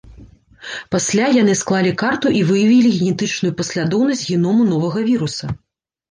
Пасля яны склалі карту і выявілі генетычную паслядоўнасць геному новага віруса.